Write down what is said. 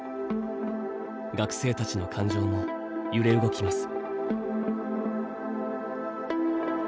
学生たちの感情も揺れ動きます。